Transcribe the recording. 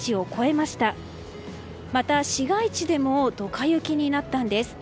また市街地でもドカ雪になったんです。